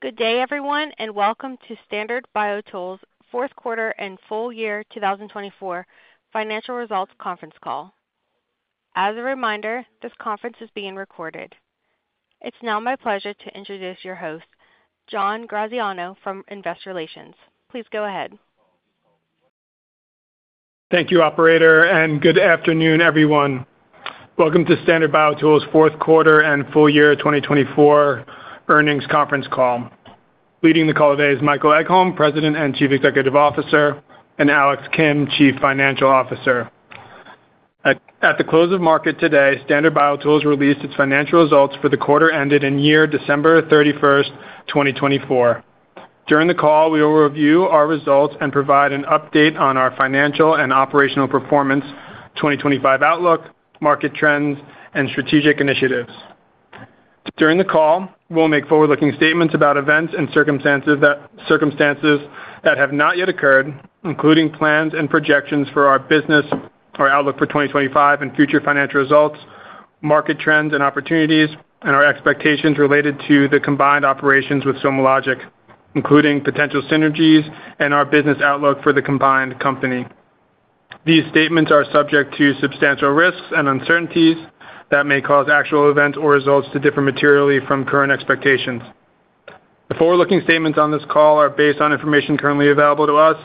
Good day, everyone, and welcome to Standard BioTools' fourth quarter and full year 2024 financial results conference call. As a reminder, this conference is being recorded. It's now my pleasure to introduce your host, John Graziano from Investor Relations. Please go ahead. Thank you, Operator, and good afternoon, everyone. Welcome to Standard BioTools' fourth quarter and full year 2024 earnings conference call. Leading the call today is Michael Egholm, President and Chief Executive Officer, and Alex Kim, Chief Financial Officer. At the close of market today, Standard BioTools released its financial results for the quarter ended December 31st, 2024. During the call, we will review our results and provide an update on our financial and operational performance, 2025 outlook, market trends, and strategic initiatives. During the call, we'll make forward-looking statements about events and circumstances that have not yet occurred, including plans and projections for our business, our outlook for 2025 and future financial results, market trends and opportunities, and our expectations related to the combined operations with SomaLogic, including potential synergies and our business outlook for the combined company. These statements are subject to substantial risks and uncertainties that may cause actual events or results to differ materially from current expectations. The forward-looking statements on this call are based on information currently available to us,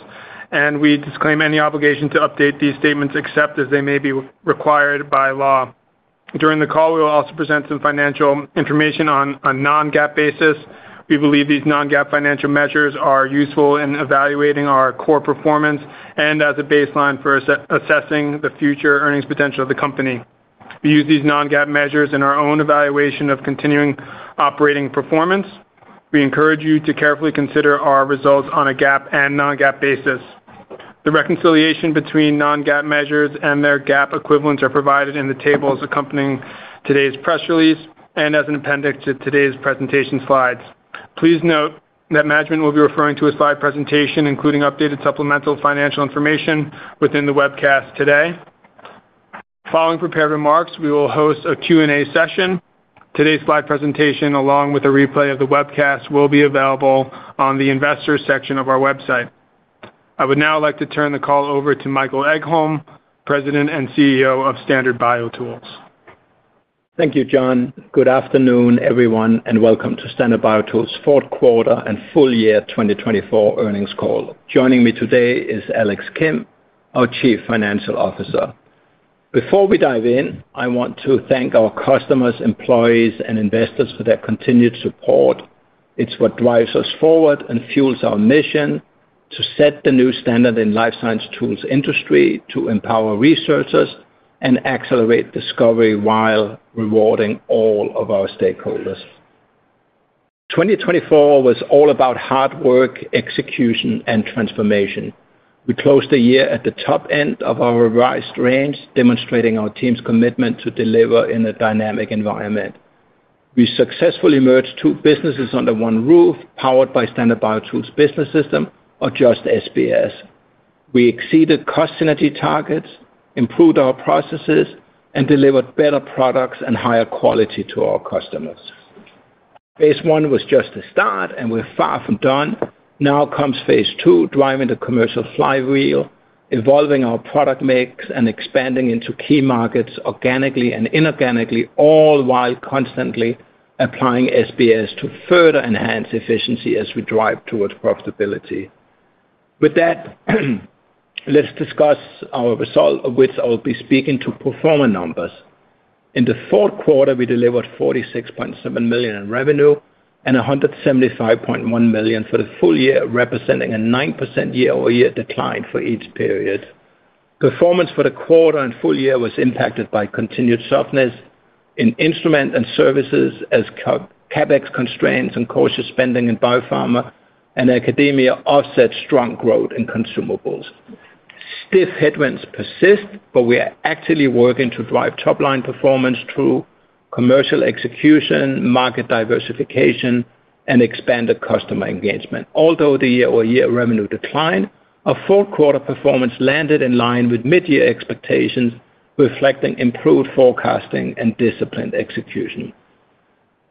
and we disclaim any obligation to update these statements except as they may be required by law. During the call, we will also present some financial information on a non-GAAP basis. We believe these non-GAAP financial measures are useful in evaluating our core performance and as a baseline for assessing the future earnings potential of the company. We use these non-GAAP measures in our own evaluation of continuing operating performance. We encourage you to carefully consider our results on a GAAP and non-GAAP basis. The reconciliation between non-GAAP measures and their GAAP equivalents are provided in the tables accompanying today's press release and as an appendix to today's presentation slides. Please note that management will be referring to a slide presentation, including updated supplemental financial information within the webcast today. Following prepared remarks, we will host a Q&A session. Today's slide presentation, along with a replay of the webcast, will be available on the Investor section of our website. I would now like to turn the call over to Michael Egholm, President and CEO of Standard BioTools. Thank you, John. Good afternoon, everyone, and welcome to Standard BioTools' fourth quarter and full year 2024 earnings call. Joining me today is Alex Kim, our Chief Financial Officer. Before we dive in, I want to thank our customers, employees, and investors for their continued support. It's what drives us forward and fuels our mission to set the new standard in the life science tools industry, to empower researchers and accelerate discovery while rewarding all of our stakeholders. 2024 was all about hard work, execution, and transformation. We closed the year at the top end of our revised range, demonstrating our team's commitment to deliver in a dynamic environment. We successfully merged two businesses under one roof, powered by Standard BioTools Business System, or just SBS. We exceeded cost synergy targets, improved our processes, and delivered better products and higher quality to our customers. Phase one was just the start, and we're far from done. Now comes phase two, driving the commercial flywheel, evolving our product mix and expanding into key markets organically and inorganically, all while constantly applying SBS to further enhance efficiency as we drive towards profitability. With that, let's discuss our results, which I'll be speaking to performance numbers. In the fourth quarter, we delivered $46.7 million in revenue and $175.1 million for the full year, representing a 9% year-over-year decline for each period. Performance for the quarter and full year was impacted by continued softness in instruments and services as CapEx constraints and cautious spending in biopharma and academia offset strong growth in consumables. Stiff headwinds persist, but we are actively working to drive top-line performance through commercial execution, market diversification, and expanded customer engagement. Although the year-over-year revenue declined, our fourth quarter performance landed in line with mid-year expectations, reflecting improved forecasting and disciplined execution.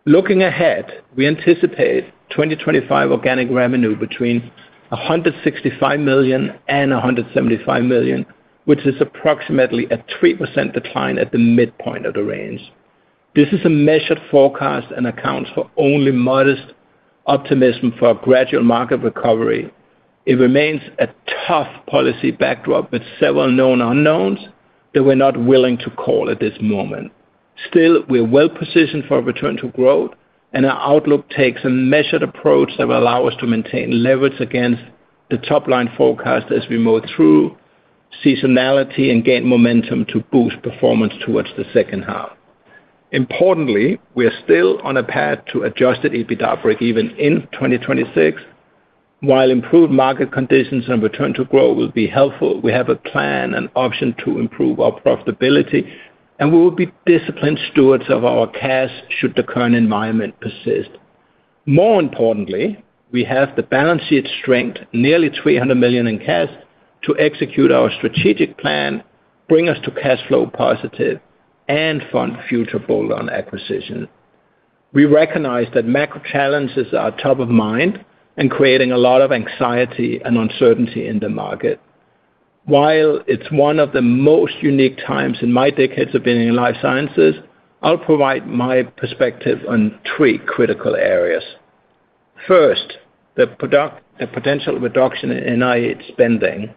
Looking ahead, we anticipate 2025 organic revenue between $165 million and $175 million, which is approximately a 3% decline at the midpoint of the range. This is a measured forecast and accounts for only modest optimism for a gradual market recovery. It remains a tough policy backdrop with several known unknowns that we're not willing to call at this moment. Still, we're well-positioned for a return to growth, and our outlook takes a measured approach that will allow us to maintain leverage against the top-line forecast as we move through seasonality and gain momentum to boost performance towards the second half. Importantly, we are still on a path to Adjusted EBITDA break-even in 2026. While improved market conditions and return to growth will be helpful, we have a plan and option to improve our profitability, and we will be disciplined stewards of our cash should the current environment persist. More importantly, we have the balance sheet strength, nearly $300 million in cash, to execute our strategic plan, bring us to cash flow positive, and fund future bolt-on acquisitions. We recognize that macro challenges are top of mind and creating a lot of anxiety and uncertainty in the market. While it's one of the most unique times in my decades of being in life sciences, I'll provide my perspective on three critical areas. First, the potential reduction in NIH spending.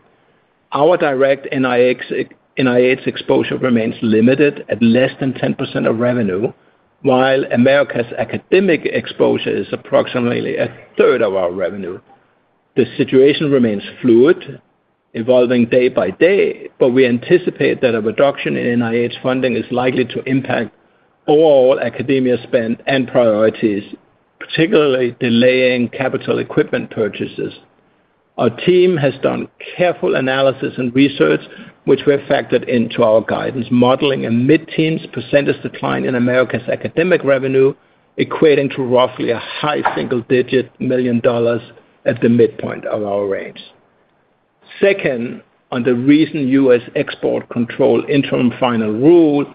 Our direct NIH exposure remains limited at less than 10% of revenue, while Americas academic exposure is approximately a third of our revenue. The situation remains fluid, evolving day by day, but we anticipate that a reduction in NIH funding is likely to impact all academia spend and priorities, particularly delaying capital equipment purchases. Our team has done careful analysis and research, which we have factored into our guidance, modeling a mid-teens % decline in Americas academic revenue, equating to roughly a high single-digit million dollars at the midpoint of our range. Second, on the recent U.S. export control interim final rule,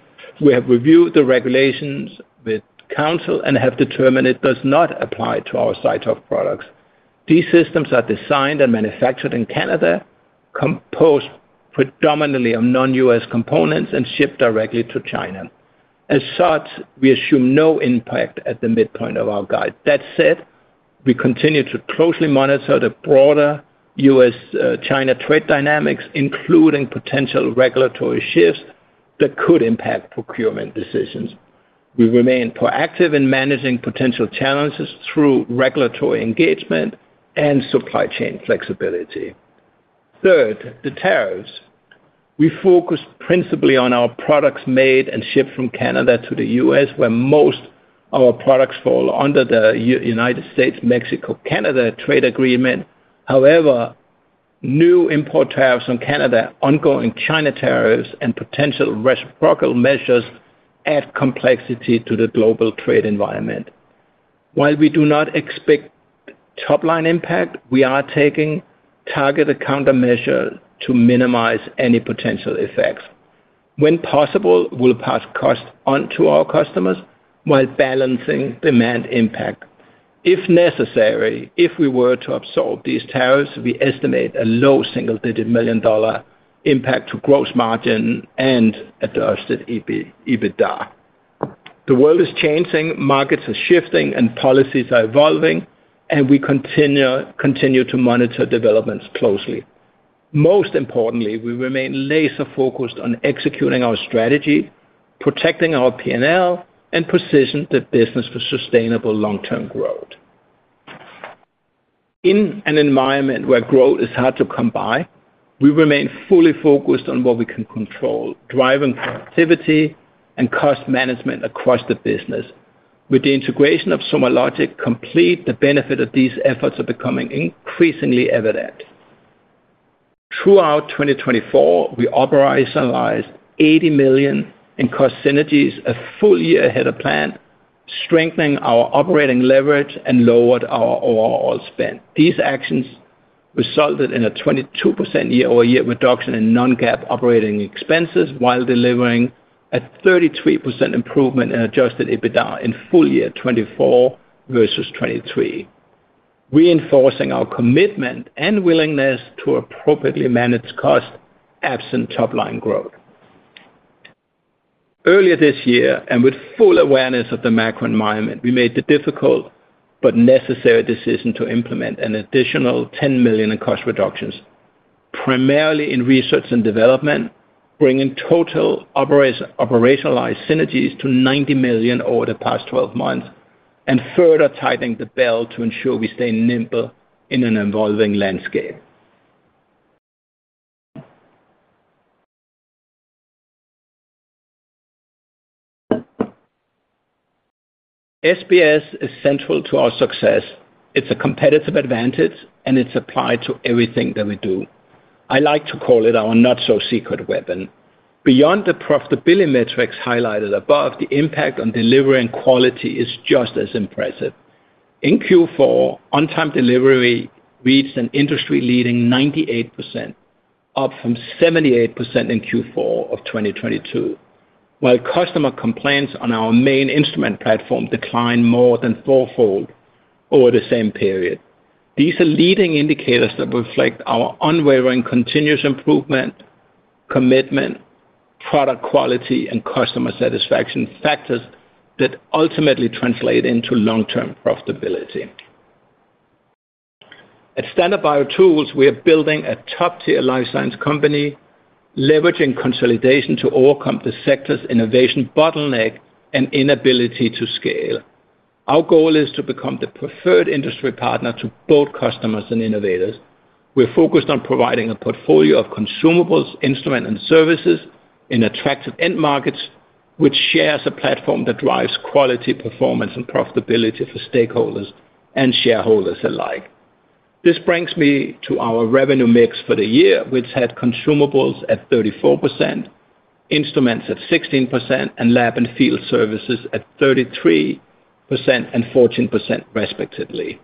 we have reviewed the regulations with counsel and have determined it does not apply to our suite of products. These systems are designed and manufactured in Canada, composed predominantly of non-U.S. components, and shipped directly to China. As such, we assume no impact at the midpoint of our guidance. That said, we continue to closely monitor the broader U.S.-China trade dynamics, including potential regulatory shifts that could impact procurement decisions. We remain proactive in managing potential challenges through regulatory engagement and supply chain flexibility. Third, the tariffs. We focus principally on our products made and shipped from Canada to the U.S., where most of our products fall under the United States-Mexico-Canada Agreement. However, new import tariffs on Canada, ongoing China tariffs, and potential reciprocal measures add complexity to the global trade environment. While we do not expect top-line impact, we are taking targeted countermeasures to minimize any potential effects. When possible, we'll pass costs onto our customers while balancing demand impact. If necessary, if we were to absorb these tariffs, we estimate a low single-digit million-dollar impact to gross margin and Adjusted EBITDA. The world is changing, markets are shifting, and policies are evolving, and we continue to monitor developments closely. Most importantly, we remain laser-focused on executing our strategy, protecting our P&L, and positioning the business for sustainable long-term growth. In an environment where growth is hard to come by, we remain fully focused on what we can control, driving productivity and cost management across the business. With the integration of SomaLogic complete, the benefit of these efforts is becoming increasingly evident. Throughout 2024, we operationalized $80 million in cost synergies, a full year ahead of plan, strengthening our operating leverage and lowered our overall spend. These actions resulted in a 22% year-over-year reduction in non-GAAP operating expenses, while delivering a 33% improvement in Adjusted EBITDA in full year 2024 versus 2023, reinforcing our commitment and willingness to appropriately manage costs absent top-line growth. Earlier this year, and with full awareness of the macro environment, we made the difficult but necessary decision to implement an additional $10 million in cost reductions, primarily in research and development, bringing total operationalized synergies to $90 million over the past 12 months, and further tightening the belt to ensure we stay nimble in an evolving landscape. SBS is central to our success. It's a competitive advantage, and it's applied to everything that we do. I like to call it our not-so-secret weapon. Beyond the profitability metrics highlighted above, the impact on delivery and quality is just as impressive. In Q4, on-time delivery reached an industry-leading 98%, up from 78% in Q4 of 2022, while customer complaints on our main instrument platform declined more than fourfold over the same period. These are leading indicators that reflect our unwavering continuous improvement, commitment, product quality, and customer satisfaction factors that ultimately translate into long-term profitability. At Standard BioTools, we are building a top-tier life science company, leveraging consolidation to overcome the sector's innovation bottleneck and inability to scale. Our goal is to become the preferred industry partner to both customers and innovators. We're focused on providing a portfolio of consumables, instruments, and services in attractive end markets, which shares a platform that drives quality, performance, and profitability for stakeholders and shareholders alike. This brings me to our revenue mix for the year, which had consumables at 34%, instruments at 16%, and Lab and Field Services at 33% and 14%, respectively.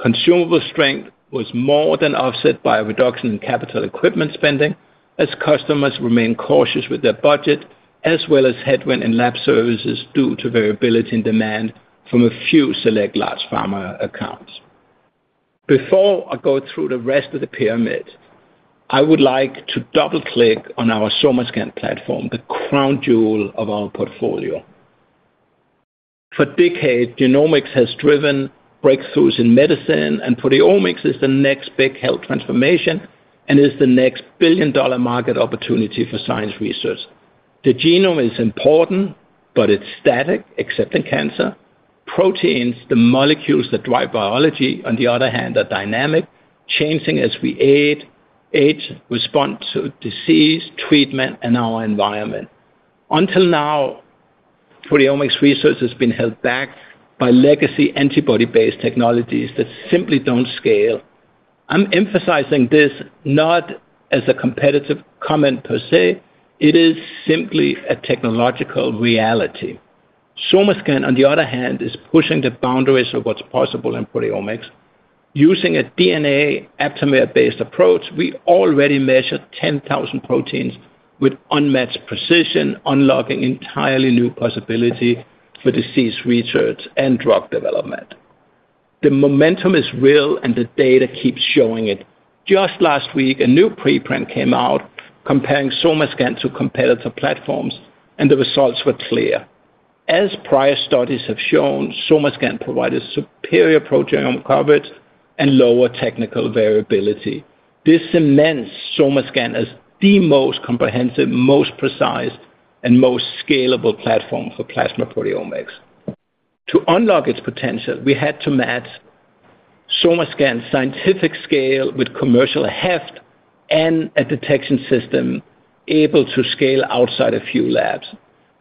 Consumable strength was more than offset by a reduction in capital equipment spending, as customers remain cautious with their budget, as well as headwind in Lab Services due to variability in demand from a few select large pharma accounts. Before I go through the rest of the pyramid, I would like to double-click on our SomaScan platform, the crown jewel of our portfolio. For decades, genomics has driven breakthroughs in medicine, and proteomics is the next big health transformation and is the next billion-dollar market opportunity for science research. The genome is important, but it's static, except in cancer. Proteins, the molecules that drive biology, on the other hand, are dynamic, changing as we age respond to disease, treatment, and our environment. Until now, proteomics research has been held back by legacy antibody-based technologies that simply don't scale. I'm emphasizing this not as a competitive comment per se. It is simply a technological reality. SomaScan, on the other hand, is pushing the boundaries of what's possible in proteomics. Using a DNA-aptamer-based approach, we already measure 10,000 proteins with unmatched precision, unlocking entirely new possibilities for disease research and drug development. The momentum is real, and the data keeps showing it. Just last week, a new preprint came out comparing SomaScan to competitor platforms, and the results were clear. As prior studies have shown, SomaScan provided superior proteome coverage and lower technical variability. This cements SomaScan as the most comprehensive, most precise, and most scalable platform for plasma proteomics. To unlock its potential, we had to match SomaScan's scientific scale with commercial heft and a detection system able to scale outside a few labs.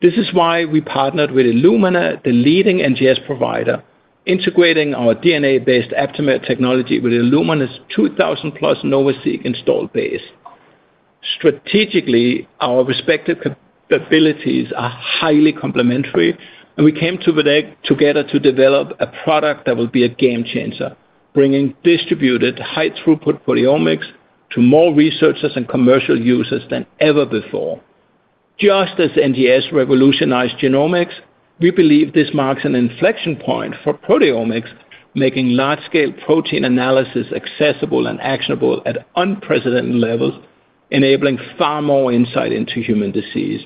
This is why we partnered with Illumina, the leading NGS provider, integrating our DNA-based aptamer technology with Illumina's 2,000-plus NovaSeq install base. Strategically, our respective capabilities are highly complementary, and we came together to develop a product that will be a game changer, bringing distributed high-throughput proteomics to more researchers and commercial users than ever before. Just as NGS revolutionized genomics, we believe this marks an inflection point for proteomics, making large-scale protein analysis accessible and actionable at unprecedented levels, enabling far more insight into human disease.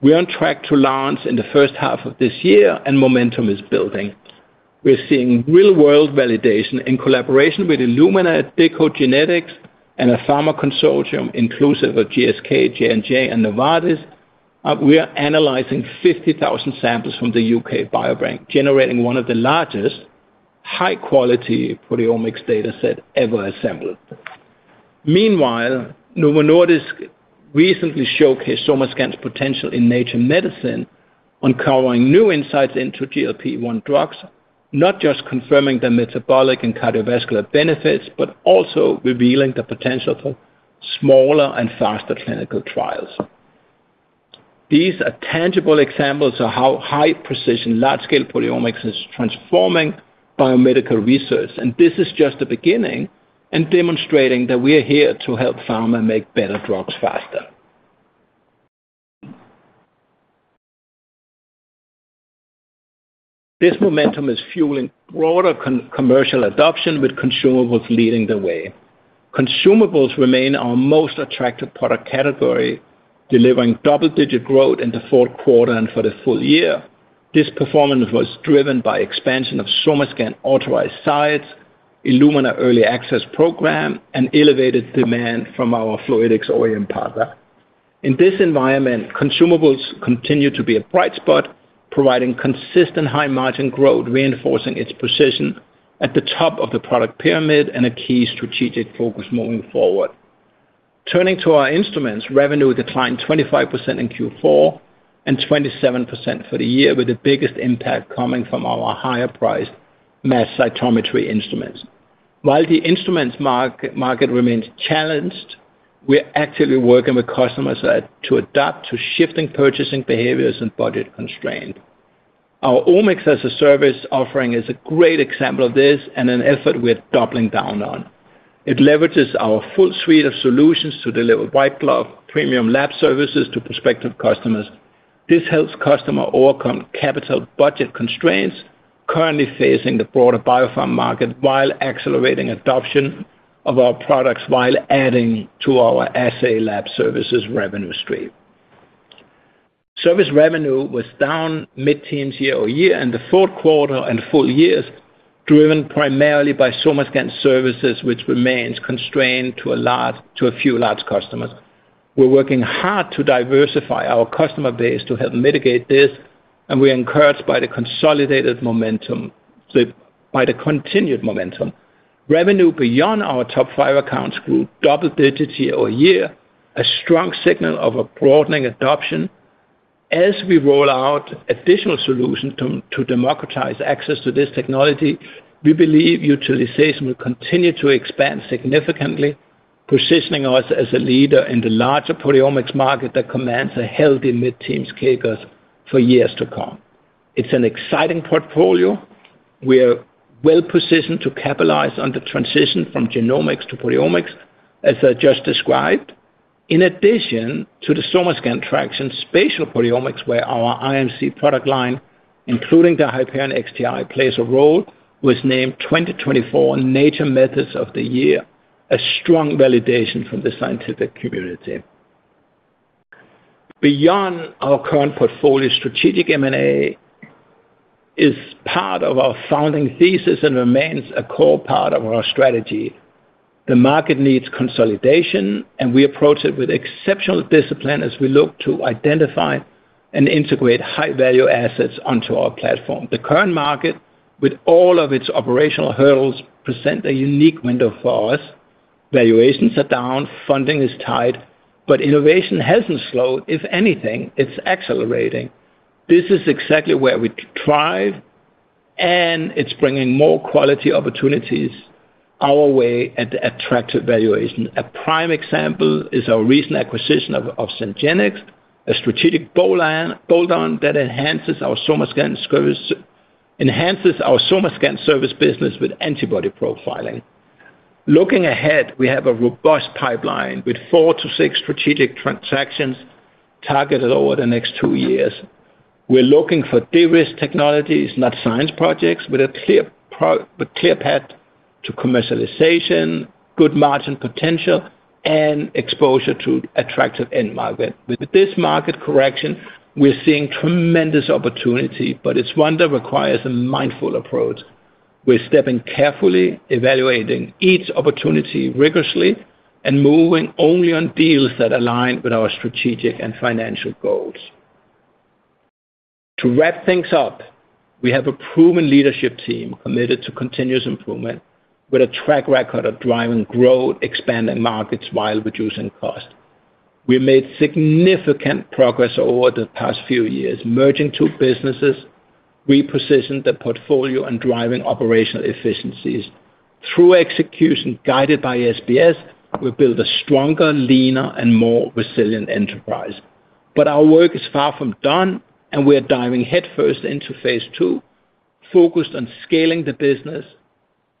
We're on track to launch in the first half of this year, and momentum is building. We're seeing real-world validation in collaboration with Illumina, deCODE genetics, and a pharma consortium inclusive of GSK, J&J, and Novartis. We're analyzing 50,000 samples from the UK Biobank, generating one of the largest high-quality proteomics datasets ever assembled. Meanwhile, Novo Nordisk recently showcased SomaScan's potential in Nature Medicine, uncovering new insights into GLP-1 drugs, not just confirming the metabolic and cardiovascular benefits, but also revealing the potential for smaller and faster clinical trials. These are tangible examples of how high-precision, large-scale proteomics is transforming biomedical research, and this is just the beginning and demonstrating that we are here to help pharma make better drugs faster. This momentum is fueling broader commercial adoption, with consumables leading the way. Consumables remain our most attractive product category, delivering double-digit growth in the fourth quarter and for the full year. This performance was driven by the expansion of SomaScan authorized sites, Illumina Early Access program, and elevated demand from our fluidics OEM partner. In this environment, consumables continue to be a bright spot, providing consistent high-margin growth, reinforcing its position at the top of the product pyramid and a key strategic focus moving forward. Turning to our instruments, revenue declined 25% in Q4 and 27% for the year, with the biggest impact coming from our higher-priced mass cytometry instruments. While the instruments market remains challenged, we're actively working with customers to adapt to shifting purchasing behaviors and budget constraints. Our omics as a service offering is a great example of this and an effort we're doubling down on. It leverages our full suite of solutions to deliver white-glove premium Lab Services to prospective customers. This helps customers overcome capital budget constraints currently facing the broader biopharma market while accelerating adoption of our products while adding to our assay Lab Services revenue stream. Service revenue was down mid-teens year-over-year in the fourth quarter and full years, driven primarily by SomaScan services, which remains constrained to a few large customers. We're working hard to diversify our customer base to help mitigate this, and we're encouraged by the continued momentum. Revenue beyond our top five accounts grew double-digit year-over-year, a strong signal of a broadening adoption. As we roll out additional solutions to democratize access to this technology, we believe utilization will continue to expand significantly, positioning us as a leader in the larger proteomics market that commands a healthy mid-teens kicker for years to come. It's an exciting portfolio. We are well-positioned to capitalize on the transition from genomics to proteomics, as I just described. In addition to the SomaScan traction, spatial proteomics, where our IMC product line, including the Hyperion XTi, plays a role, was named 2024 Nature Methods of the Year, a strong validation from the scientific community. Beyond our current portfolio, strategic M&A is part of our founding thesis and remains a core part of our strategy. The market needs consolidation, and we approach it with exceptional discipline as we look to identify and integrate high-value assets onto our platform. The current market, with all of its operational hurdles, presents a unique window for us. Valuations are down, funding is tight, but innovation hasn't slowed; if anything, it's accelerating. This is exactly where we thrive, and it's bringing more quality opportunities our way at the attractive valuation. A prime example is our recent acquisition of Sengenics, a strategic bolt-on that enhances our SomaScan service business with antibody profiling. Looking ahead, we have a robust pipeline with four to six strategic transactions targeted over the next two years. We're looking for de-risk technologies, not science projects, with a clear path to commercialization, good margin potential, and exposure to attractive end market. With this market correction, we're seeing tremendous opportunity, but its wonder requires a mindful approach. We're stepping carefully, evaluating each opportunity rigorously, and moving only on deals that align with our strategic and financial goals. To wrap things up, we have a proven leadership team committed to continuous improvement with a track record of driving growth, expanding markets while reducing cost. We've made significant progress over the past few years, merging two businesses, repositioning the portfolio, and driving operational efficiencies. Through execution guided by SBS, we've built a stronger, leaner, and more resilient enterprise. But our work is far from done, and we're diving headfirst into phase two, focused on scaling the business,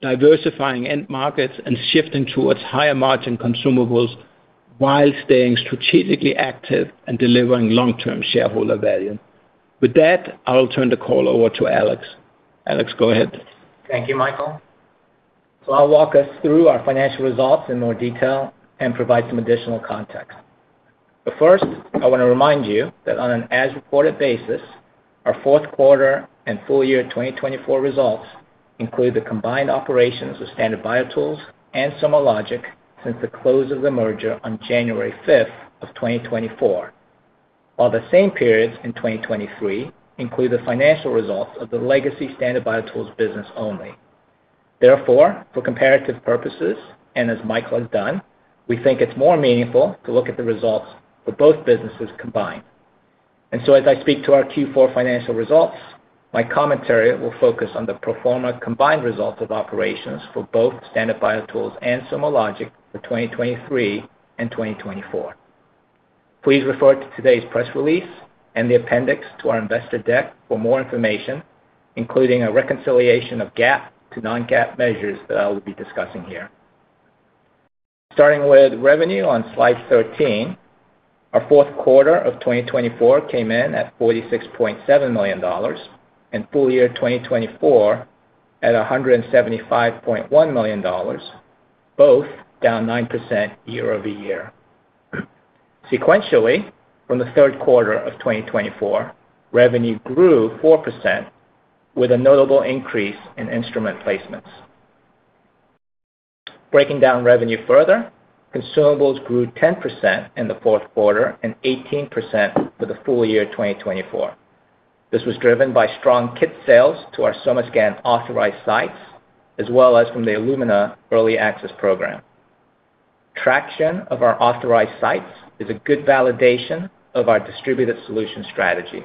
diversifying end markets, and shifting towards higher-margin consumables while staying strategically active and delivering long-term shareholder value. With that, I'll turn the call over to Alex. Alex, go ahead. Thank you, Michael. So I'll walk us through our financial results in more detail and provide some additional context. But first, I want to remind you that on an as-reported basis, our fourth quarter and full year 2024 results include the combined operations of Standard BioTools and SomaLogic since the close of the merger on January 5th of 2024, while the same periods in 2023 include the financial results of the legacy Standard BioTools business only. Therefore, for comparative purposes, and as Michael has done, we think it's more meaningful to look at the results for both businesses combined. And so, as I speak to our Q4 financial results, my commentary will focus on the pro forma combined results of operations for both Standard BioTools and SomaLogic for 2023 and 2024. Please refer to today's press release and the appendix to our investor deck for more information, including a reconciliation of GAAP to non-GAAP measures that I will be discussing here. Starting with revenue on Slide 13, our fourth quarter of 2024 came in at $46.7 million and full year 2024 at $175.1 million, both down 9% year-over-year. Sequentially, from the third quarter of 2024, revenue grew 4% with a notable increase in instrument placements. Breaking down revenue further, consumables grew 10% in the fourth quarter and 18% for the full year 2024. This was driven by strong kit sales to our SomaScan authorized sites, as well as from the Illumina Early Access program. Traction of our authorized sites is a good validation of our distributed solution strategy.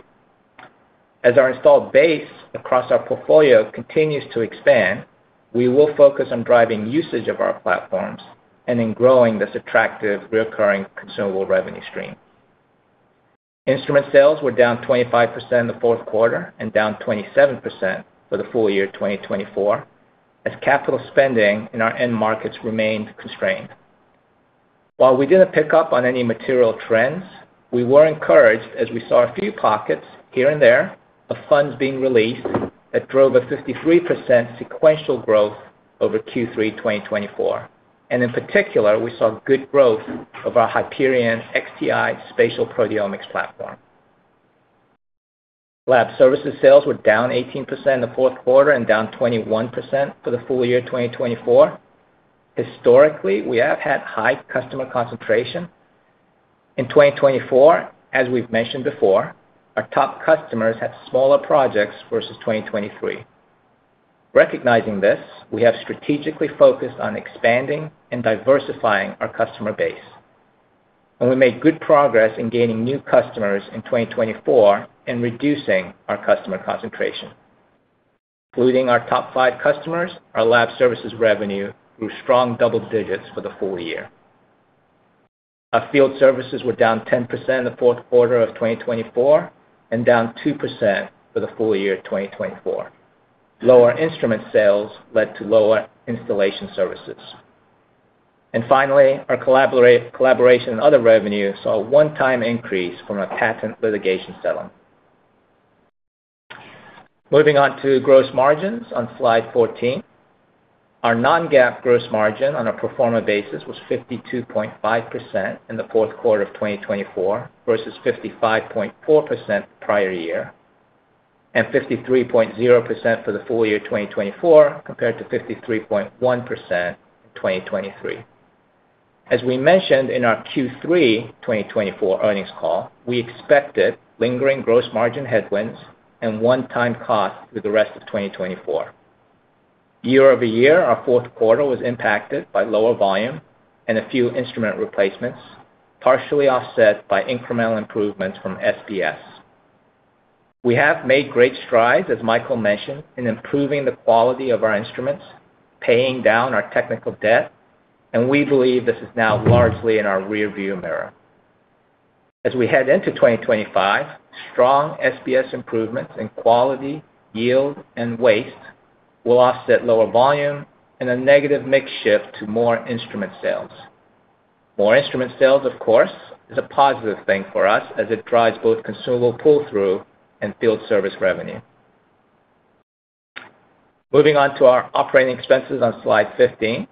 As our installed base across our portfolio continues to expand, we will focus on driving usage of our platforms and in growing this attractive recurring consumable revenue stream. Instrument sales were down 25% in the fourth quarter and down 27% for the full year 2024, as capital spending in our end markets remained constrained. While we didn't pick up on any material trends, we were encouraged as we saw a few pockets here and there of funds being released that drove a 53% sequential growth over Q3 2024, and in particular, we saw good growth of our Hyperion XTi Spatial Proteomics platform. Lab Services sales were down 18% in the fourth quarter and down 21% for the full year 2024. Historically, we have had high customer concentration. In 2024, as we've mentioned before, our top customers had smaller projects versus 2023. Recognizing this, we have strategically focused on expanding and diversifying our customer base. We made good progress in gaining new customers in 2024 and reducing our customer concentration. Including our top five customers, our Lab Services revenue grew strong double digits for the full year. Our Field Services were down 10% in the fourth quarter of 2024 and down 2% for the full year 2024. Lower instrument sales led to lower installation services. Finally, our collaboration and other revenue saw a one-time increase from a patent litigation settlement. Moving on to gross margins on Slide 14, our non-GAAP gross margin on a pro forma basis was 52.5% in the fourth quarter of 2024 versus 55.4% prior year and 53.0% for the full year 2024 compared to 53.1% in 2023. As we mentioned in our Q3 2024 earnings call, we expected lingering gross margin headwinds and one-time costs through the rest of 2024. Year-over-year, our fourth quarter was impacted by lower volume and a few instrument replacements, partially offset by incremental improvements from SBS. We have made great strides, as Michael mentioned, in improving the quality of our instruments, paying down our technical debt, and we believe this is now largely in our rearview mirror. As we head into 2025, strong SBS improvements in quality, yield, and waste will offset lower volume and a negative mix shift to more instrument sales. More instrument sales, of course, is a positive thing for us as it drives both consumable pull-through and field service revenue. Moving on to our operating expenses on Slide 15,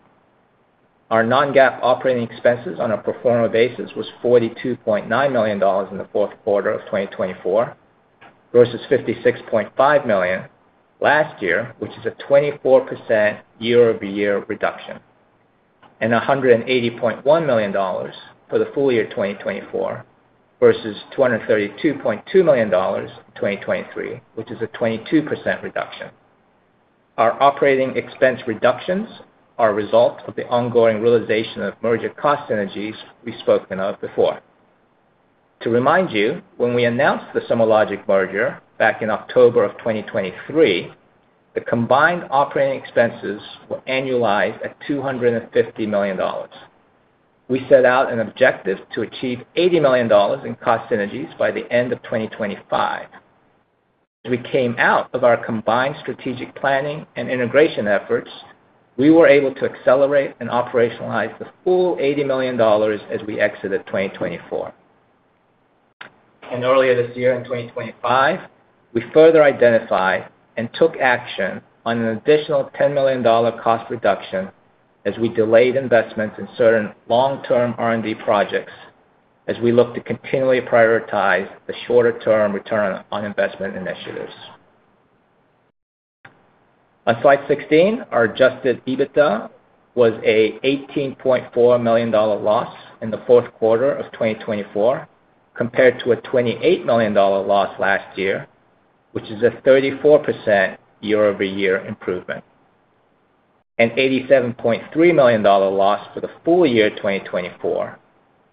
our non-GAAP operating expenses on a pro forma basis was $42.9 million in the fourth quarter of 2024 versus $56.5 million last year, which is a 24% year-over-year reduction, and $180.1 million for the full year 2024 versus $232.2 million in 2023, which is a 22% reduction. Our operating expense reductions are a result of the ongoing realization of merger cost synergies we've spoken of before. To remind you, when we announced the SomaLogic merger back in October of 2023, the combined operating expenses were annualized at $250 million. We set out an objective to achieve $80 million in cost synergies by the end of 2025. As we came out of our combined strategic planning and integration efforts, we were able to accelerate and operationalize the full $80 million as we exited 2024. Earlier this year in 2025, we further identified and took action on an additional $10 million cost reduction as we delayed investments in certain long-term R&D projects as we look to continually prioritize the shorter-term return on investment initiatives. On Slide 16, our Adjusted EBITDA was an $18.4 million loss in the fourth quarter of 2024 compared to a $28 million loss last year, which is a 34% year-over-year improvement, an $87.3 million loss for the full year 2024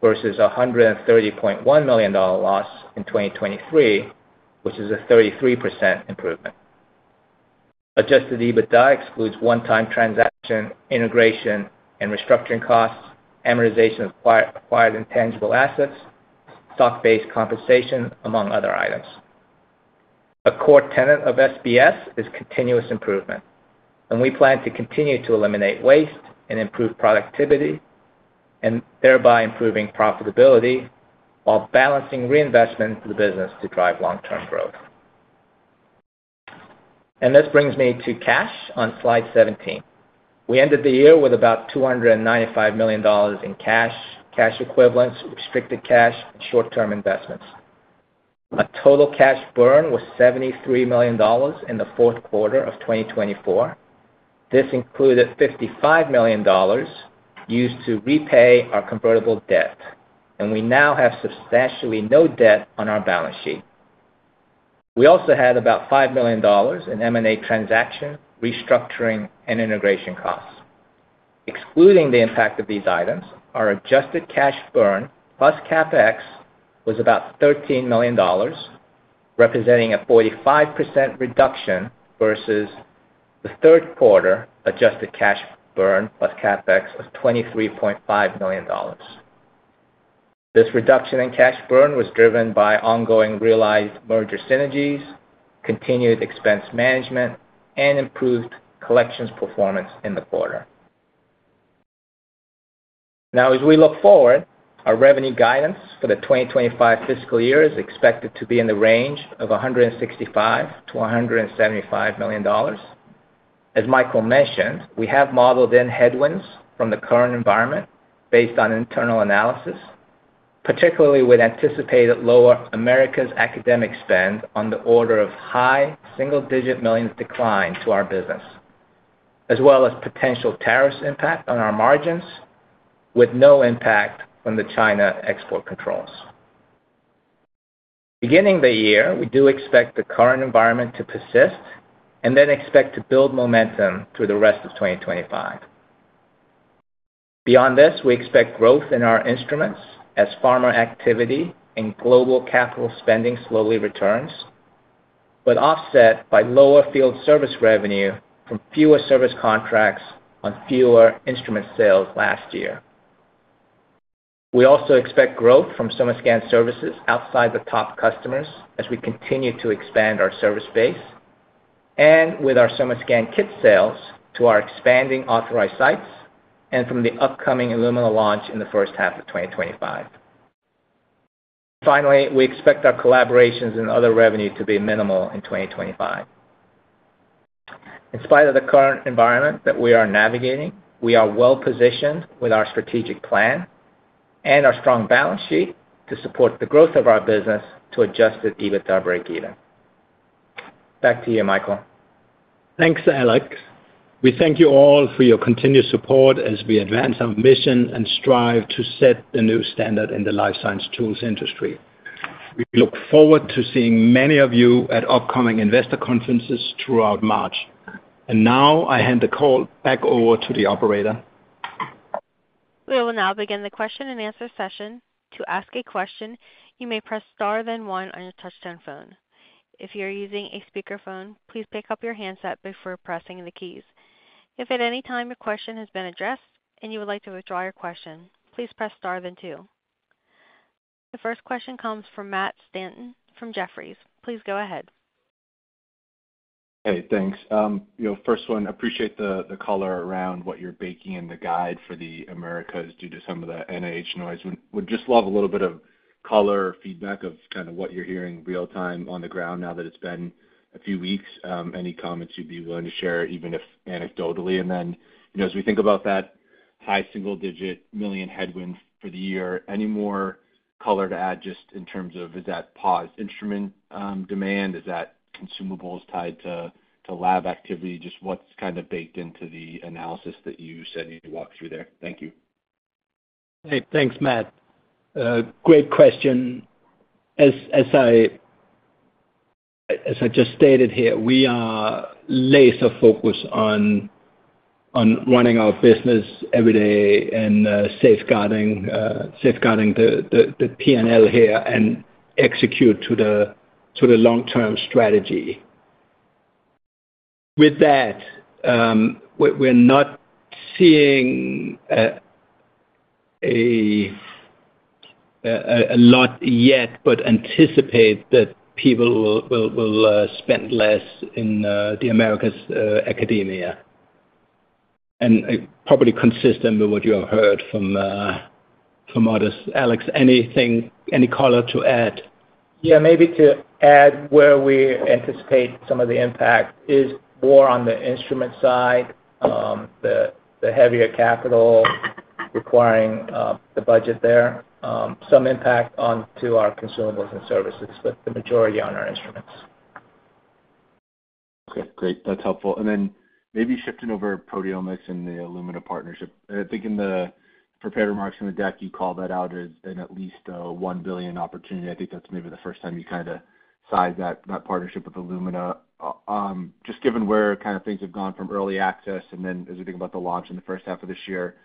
versus a $130.1 million loss in 2023, which is a 33% improvement. Adjusted EBITDA excludes one-time transaction integration and restructuring costs, amortization of acquired intangible assets, stock-based compensation, among other items. A core tenet of SBS is continuous improvement, and we plan to continue to eliminate waste and improve productivity, thereby improving profitability while balancing reinvestment to the business to drive long-term growth. This brings me to cash on Slide 17. We ended the year with about $295 million in cash, cash equivalents, restricted cash, and short-term investments. A total cash burn was $73 million in the fourth quarter of 2024. This included $55 million used to repay our convertible debt, and we now have substantially no debt on our balance sheet. We also had about $5 million in M&A transaction, restructuring, and integration costs. Excluding the impact of these items, our adjusted cash burn plus CapEx was about $13 million, representing a 45% reduction versus the third quarter adjusted cash burn plus CapEx of $23.5 million. This reduction in cash burn was driven by ongoing realized merger synergies, continued expense management, and improved collections performance in the quarter. Now, as we look forward, our revenue guidance for the 2025 fiscal year is expected to be in the range of $165-$175 million. As Michael mentioned, we have modeled in headwinds from the current environment based on internal analysis, particularly with anticipated lower Americas academic spend on the order of high single-digit millions decline to our business, as well as potential tariffs impact on our margins with no impact from the China export controls. Beginning the year, we do expect the current environment to persist and then expect to build momentum through the rest of 2025. Beyond this, we expect growth in our instruments as pharma activity and global capital spending slowly returns, but offset by lower field service revenue from fewer service contracts on fewer instrument sales last year. We also expect growth from SomaScan services outside the top customers as we continue to expand our service base and with our SomaScan kit sales to our expanding authorized sites and from the upcoming Illumina launch in the first half of 2025. Finally, we expect our collaborations and other revenue to be minimal in 2025. In spite of the current environment that we are navigating, we are well-positioned with our strategic plan and our strong balance sheet to support the growth of our business to Adjusted EBITDA break-even. Back to you, Michael. Thanks, Alex. We thank you all for your continued support as we advance our mission and strive to set the new standard in the life science tools industry. We look forward to seeing many of you at upcoming investor conferences throughout March, and now I hand the call back over to the operator. We will now begin the question and answer session. To ask a question, you may press star then one on your touch-tone phone. If you're using a speakerphone, please pick up your handset before pressing the keys. If at any time your question has been addressed and you would like to withdraw your question, please press star then two. The first question comes from Matt Stanton from Jefferies. Please go ahead. Hey, thanks. First one, appreciate the color around what you're baking in the guide for the Americas due to some of the NIH noise. Would just love a little bit of color feedback of kind of what you're hearing real-time on the ground now that it's been a few weeks. Any comments you'd be willing to share, even if anecdotally. And then as we think about that high single-digit million headwind for the year, any more color to add just in terms of is that paused instrument demand? Is that consumables tied to lab activity? Just what's kind of baked into the analysis that you said you'd walk through there? Thank you. Hey, thanks, Matt. Great question. As I just stated here, we are laser-focused on running our business every day and safeguarding the P&L here and execute to the long-term strategy. With that, we're not seeing a lot yet, but anticipate that people will spend less in the Americas academia. And probably consistent with what you have heard from others. Alex, any color to add? Yeah, maybe to add where we anticipate some of the impact is more on the instrument side, the heavier capital requiring the budget there, some impact onto our consumables and services, but the majority on our instruments. Okay, great. That's helpful, and then maybe shifting over to proteomics and the Illumina partnership. I think in the prepared remarks in the deck, you called that out as an at least $1 billion opportunity. I think that's maybe the first time you kind of sized that partnership with Illumina. Just given where kind of things have gone from early access and then as we think about the launch in the first half of this year,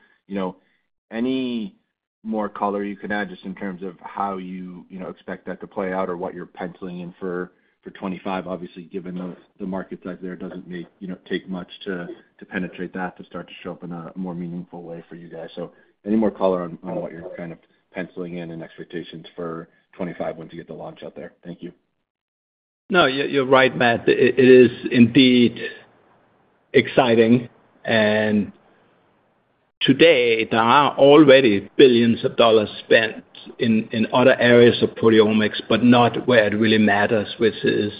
any more color you can add just in terms of how you expect that to play out or what you're penciling in for 2025, obviously, given the market that there doesn't take much to penetrate that to start to show up in a more meaningful way for you guys. So any more color on what you're kind of penciling in and expectations for 2025 once you get the launch out there? Thank you. No, you're right, Matt. It is indeed exciting, and today, there are already billions of dollars spent in other areas of proteomics, but not where it really matters, which is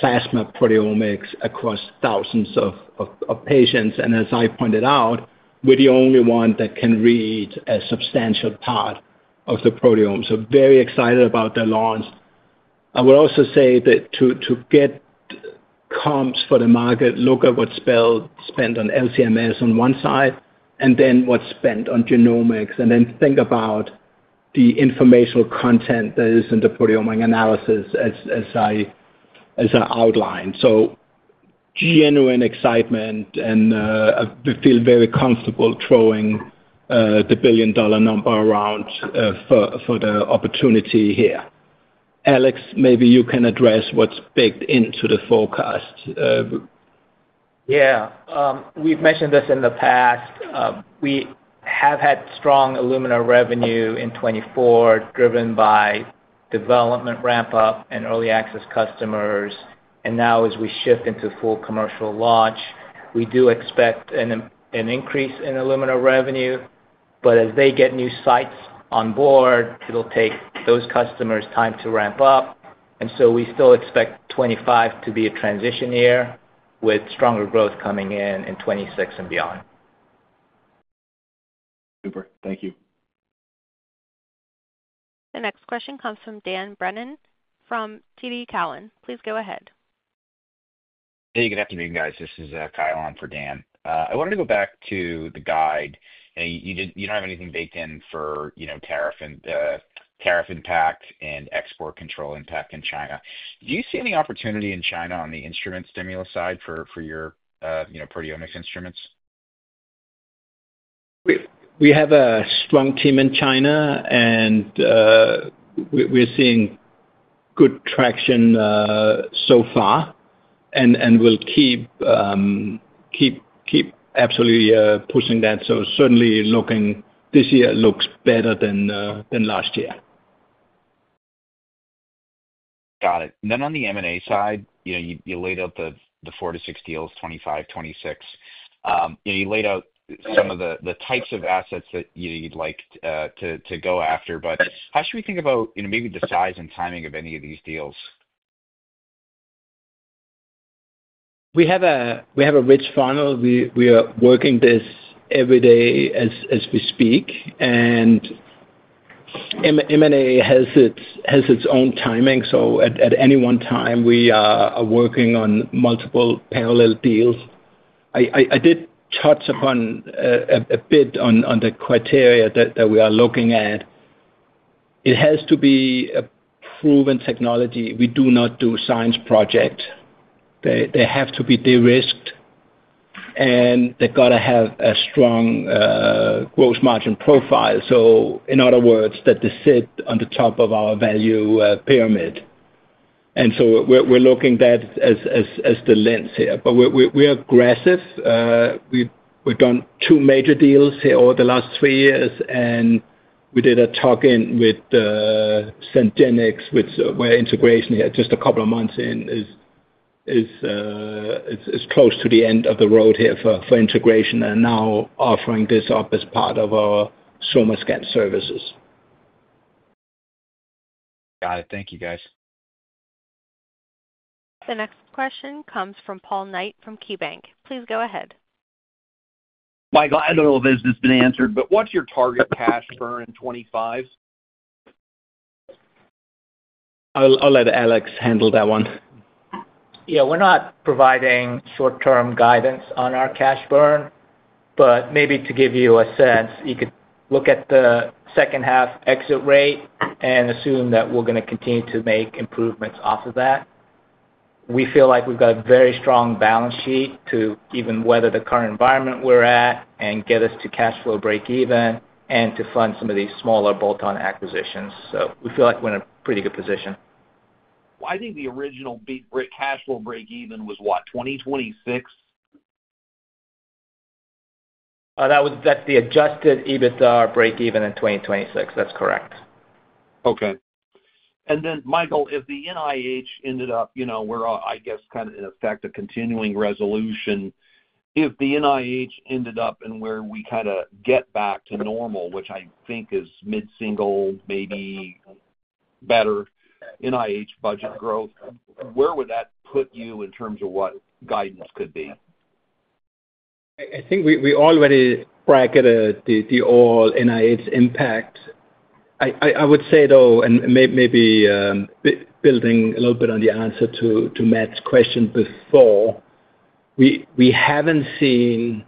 plasma proteomics across thousands of patients. As I pointed out, we're the only one that can read a substantial part of the proteome. So very excited about the launch. I would also say that to get comps for the market, look at what's spent on LC-MS on one side and then what's spent on genomics, and then think about the informational content that is in the proteomic analysis as I outlined. So genuine excitement, and we feel very comfortable throwing the billion-dollar number around for the opportunity here. Alex, maybe you can address what's baked into the forecast. Yeah. We've mentioned this in the past. We have had strong Illumina revenue in 2024 driven by development ramp-up and early access customers. And now, as we shift into full commercial launch, we do expect an increase in Illumina revenue. But as they get new sites on board, it'll take those customers time to ramp up. And so we still expect 2025 to be a transition year with stronger growth coming in in 2026 and beyond. Super. Thank you. The next question comes from Dan Brennan from TD Cowen. Please go ahead. Hey, good afternoon, guys. This is Kyle on for Dan. I wanted to go back to the guide. You don't have anything baked in for tariff impact and export control impact in China. Do you see any opportunity in China on the instrument stimulus side for your proteomics instruments? We have a strong team in China, and we're seeing good traction so far, and we'll keep absolutely pushing that. So certainly, this year looks better than last year. Got it. And then on the M&A side, you laid out the four to six deals, 2025, 2026. You laid out some of the types of assets that you'd like to go after. But how should we think about maybe the size and timing of any of these deals? We have a rich funnel. We are working this every day as we speak. And M&A has its own timing. So at any one time, we are working on multiple parallel deals. I did touch upon a bit on the criteria that we are looking at. It has to be a proven technology. We do not do science projects. They have to be de-risked, and they've got to have a strong gross margin profile. So in other words, that they sit on the top of our value pyramid. And so we're looking at that as the lens here. But we're aggressive. We've done two major deals here over the last three years, and we did a tuck-in with Sengenics where integration here, just a couple of months in, is close to the end of the road here for integration and now offering this up as part of our SomaScan services. Got it. Thank you, guys. The next question comes from Paul Knight from KeyBanc. Please go ahead. Michael, I don't know if this has been answered, but what's your target cash burn in 2025? I'll let Alex handle that one. Yeah. We're not providing short-term guidance on our cash burn, but maybe to give you a sense, you could look at the second-half exit rate and assume that we're going to continue to make improvements off of that. We feel like we've got a very strong balance sheet to even weather the current environment we're at and get us to cash flow break-even and to fund some of these smaller bolt-on acquisitions. So we feel like we're in a pretty good position. I think the original cash flow break-even was what, 2026? That's the Adjusted EBITDA break-even in 2026. That's correct. Okay. And then, Michael, if the NIH ended up, we're, I guess, kind of in effect a continuing resolution. If the NIH ended up in where we kind of get back to normal, which I think is mid-single, maybe better NIH budget growth, where would that put you in terms of what guidance could be? I think we already bracketed the all NIH impact. I would say, though, and maybe building a little bit on the answer to Matt's question before, we haven't seen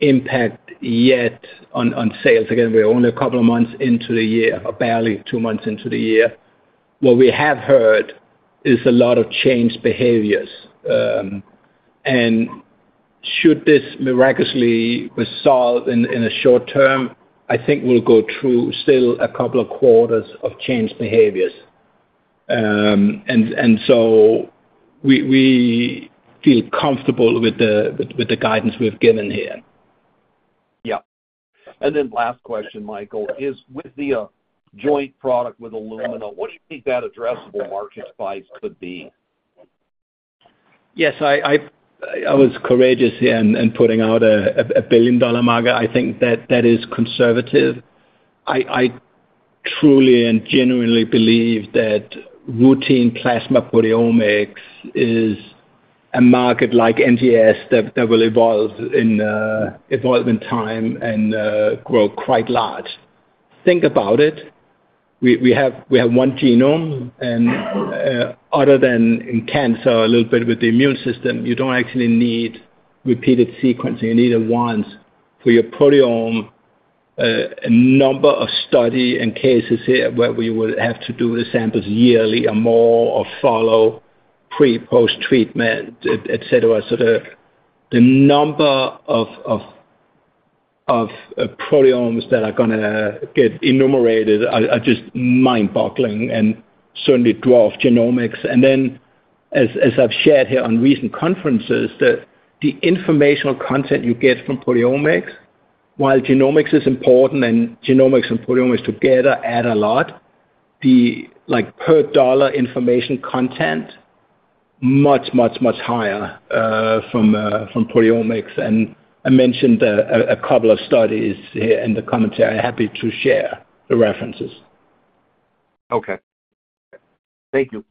impact yet on sales. Again, we're only a couple of months into the year, barely two months into the year. What we have heard is a lot of changed behaviors. And should this miraculously resolve in the short term, I think we'll go through still a couple of quarters of changed behaviors. And so we feel comfortable with the guidance we've given here. Yeah. And then last question, Michael, is with the joint product with Illumina, what do you think that addressable market size could be? Yes. I was courageous in putting out a $1 billion market. I think that is conservative. I truly and genuinely believe that routine plasma proteomics is a market like NGS that will evolve in time and grow quite large. Think about it. We have one genome. And other than in cancer, a little bit with the immune system, you don't actually need repeated sequencing. You need it once for your proteome, a number of studies and cases where we would have to do the samples yearly or more or follow pre-post treatment, etc. So the number of proteomes that are going to get enumerated are just mind-boggling and certainly dwarf genomics. And then, as I've shared here on recent conferences, the informational content you get from proteomics, while genomics is important and genomics and proteomics together add a lot, the per-dollar information content, much, much, much higher from proteomics. And I mentioned a couple of studies here in the commentary. I'm happy to share the references. Okay. Thank you.